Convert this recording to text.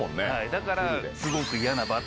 だから。